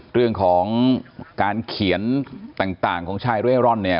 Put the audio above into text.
เรื่องของการเขียนต่างของชายเร่ร่อนเนี่ย